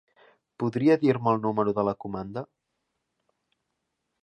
Podria dir-me el número de la comanda?